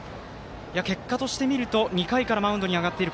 結果として見ると２回からマウンドに上がっている